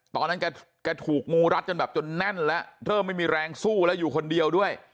ตอนนั้นแกถูกงูรัดจนแบบจนแน่นแล้วเริ่มไม่มีแรงสู้แล้วอยู่คนเดียวด้วย